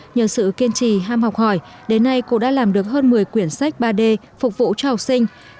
nhờ sự kiên trì ham học hỏi đến nay cô đã làm được hơn một mươi quyển sách ba d phục vụ cho học sinh